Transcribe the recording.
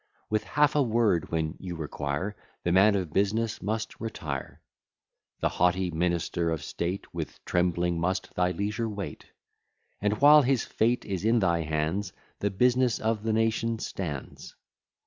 With half a word when you require, The man of business must retire. The haughty minister of state, With trembling must thy leisure wait; And, while his fate is in thy hands, The business of the nation stands.